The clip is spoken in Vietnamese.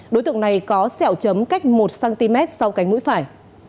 đối tượng này có sẹo chấm cách một cm sau cánh mũi phải